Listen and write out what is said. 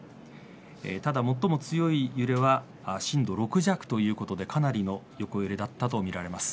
ただ、最も強い揺れは震度６弱ということでかなりの横揺れだったとみられます。